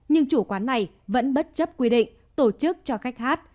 nhưng chủ quán này vẫn bất chấp quy định tổ chức cho khách hát